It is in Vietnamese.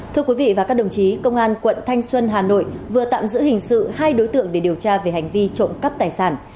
thưa quý vị và các đồng chí công an quận thanh xuân hà nội vừa tạm giữ hình sự hai đối tượng để điều tra về hành vi trộm cắp tài sản